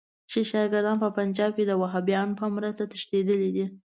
چې شاګردان په پنجاب کې د وهابیانو په مرسته تښتېدلي دي.